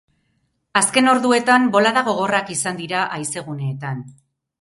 Azken orduetan, bolada gogorrak izan dira haizeguneetan.